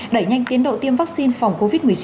đẩy nhanh tiến độ tiêm vaccine phòng covid một mươi chín